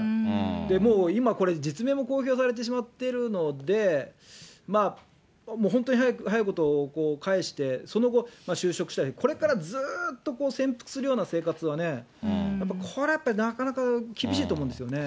もう今これ、実名も公表されてしまっているので、まあ、本当に早いこと返して、その後、就職したり、これからずっと潜伏するような生活はね、やっぱり、これやっぱりなかなか厳しいと思うんですよね。